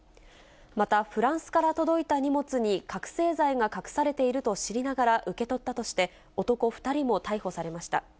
また、フランスから届いた荷物に、覚醒剤が隠されていると知りながら受け取ったとして、男２人も逮捕されました。